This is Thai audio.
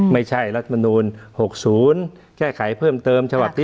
ไม่ใช่รัฐธรรมนูล๖๐แก้ไขเพิ่มเติมฉบับที่๑๒๓๔